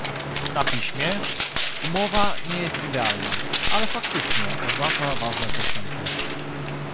na piśmie - Umowa nie jest idealna, ale faktycznie oznacza ważne postępy